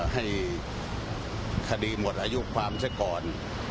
ให้คดีหมดอายุความซะก่อน